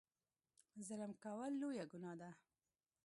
ظلم کول لویه ګناه ده.